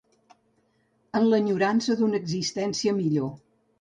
En l'enyorança d'una existència millor